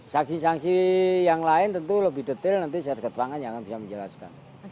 sangsi sangsi yang lain tentu lebih detail nanti satgas pangan yang akan bisa menjelaskan